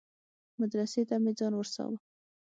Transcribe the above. مدرسې ته مې ځان ورساوه.